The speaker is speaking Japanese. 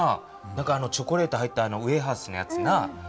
何かチョコレート入ったウエハースのやつな。